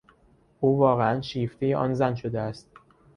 او واقعا شیفتهی آن زن شده است.